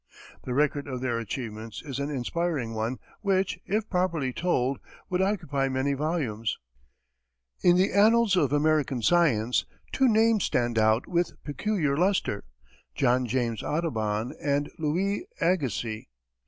The record of their achievements is an inspiring one which, if properly told, would occupy many volumes. In the annals of American science, two names stand out with peculiar lustre John James Audubon and Louis Agassiz.